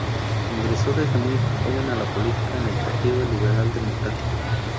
Ingresó desde muy joven a la política, en el Partido Liberal Democrático.